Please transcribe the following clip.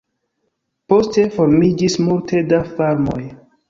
Poste formiĝis multe da farmoj.